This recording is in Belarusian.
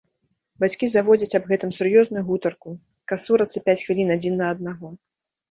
Бацькі заводзяць аб гэтым сур'ёзную гутарку, касурацца пяць хвілін адзін на аднаго.